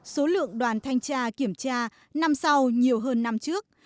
số lượng đoàn thanh tra kiểm tra năm sau nhiều hơn năm trước